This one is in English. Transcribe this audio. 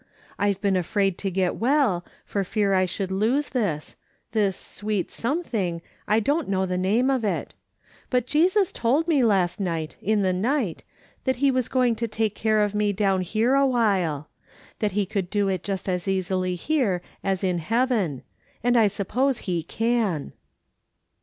I've been afraid to get well, for fear I should lose this — this sweet something, I don't know the name of it ; but Jesus told me last night, in the night, that he was goin" to take care of me down here awhile ; that he could do it just as easily here as in heaven, and I suppose he can."